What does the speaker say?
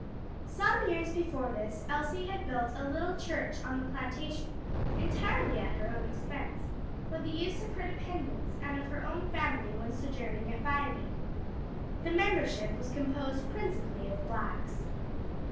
Some years before this Elsie had built a little church on the plantation, entirely at her own expense, for the use of her dependents and of her own family when sojourning at Viamede. The membership was composed principally of blacks.